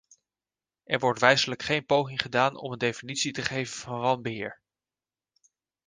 Er wordt wijselijk geen poging gedaan om een definitie te geven van wanbeheer.